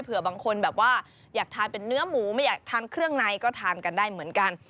บางคนแบบว่าอยากทานเป็นเนื้อหมูไม่อยากทานเครื่องในก็ทานกันได้เหมือนกัน